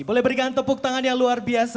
boleh berikan tepuk tangan yang luar biasa